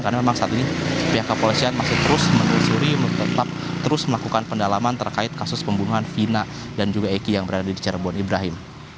karena memang saat ini pihak kepolisian masih terus menelusuri tetap terus melakukan pendalaman terkait kasus pembunuhan fina dan juga eki yang berada di cirebon ibrahim